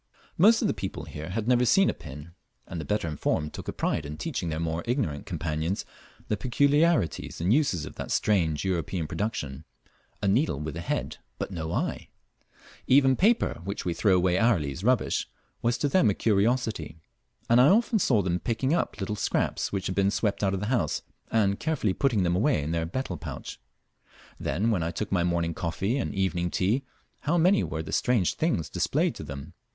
Most of the people here had never seen a pin, and the better informed took a pride in teaching their more ignorant companions the peculiarities and uses of that strange European production a needle with a head, but no eye! Even paper, which we throw away hourly as rubbish, was to them a curiosity; and I often saw them picking up little scraps which had been swept out of the house, and carefully putting them away in their betel pouch. Then when I took my morning coffee and evening tea, how many were the strange things displayed to them!